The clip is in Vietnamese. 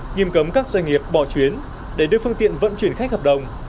nghiêm cấm các doanh nghiệp bỏ chuyến để đưa phương tiện vận chuyển khách hợp đồng